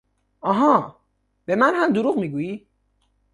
آها! به من هم دروغ میگویی!